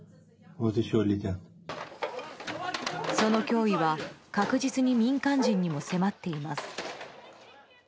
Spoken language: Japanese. その脅威は確実に民間人にも迫っています。